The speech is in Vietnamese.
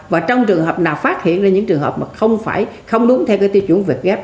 và trong trường hợp nào phát hiện ra những trường hợp mà không đúng theo cái tiêu chuẩn việt gap